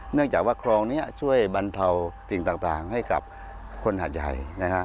เนื่องจากว่าคลองนี้ช่วยบรรเทาสิ่งต่างให้กับคนหาดใหญ่นะฮะ